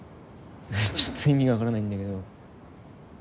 ちょっと意味が分からないんだけど。